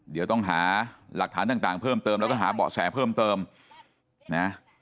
เดี๋ยวต้องหาหลักฐานต่างเพิ่มเติมแล้วก็หาเบาะแสเพิ่มเติมนะ